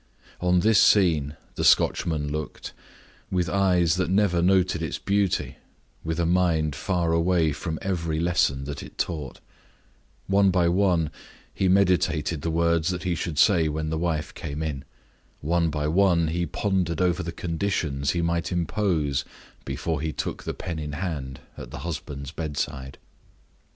On this scene the Scotchman looked, with eyes that never noted its beauty, with a mind far away from every lesson that it taught. One by one he meditated the words he should say when the wife came in. One by one he pondered over the conditions he might impose before he took the pen in hand at the husband's bedside.